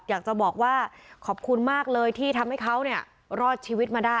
อยากจะบอกว่าขอบคุณมากเลยที่ทำให้เขาเนี่ยรอดชีวิตมาได้